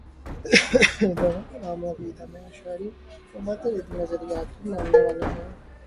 دونوں کلام و عقیدہ میں اشعری و ماتریدی نظریات کو ماننے والے ہیں۔